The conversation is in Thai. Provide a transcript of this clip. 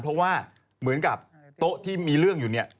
เพราะว่าเหมือนกับโต๊ะที่มีเรื่องอยู่เนี่ย